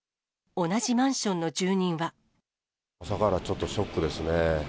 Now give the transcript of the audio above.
朝からちょっとショックですね。